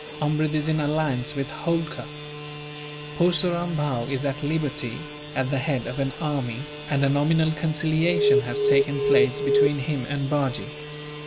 Amrud is in alliance with Holkar. Purseram Bhow is at liberty, at the head of an army, and a nominal conciliation has taken place between him and Bajee.